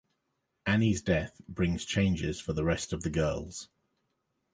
Annie's death brings changes for the rest of the girls.